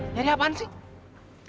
nyari apaan sih